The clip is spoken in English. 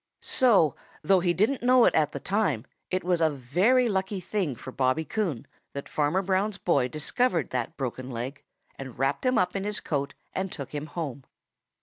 So, though he didn't know it at the time, it was a very lucky thing for Bobby Coon that Farmer Brown's boy discovered that broken leg and wrapped him up in his coat and took him home.